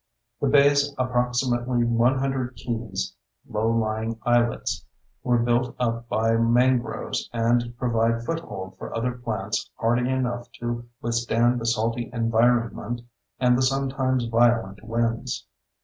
The bay's approximately 100 keys (low lying islets) were built up by mangroves and provide foothold for other plants hardy enough to withstand the salty environment and the sometimes violent winds.